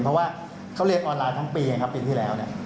เพราะว่าเขาเรียนออนไลน์ทั้งปีนะครับปีที่แล้วเนี่ย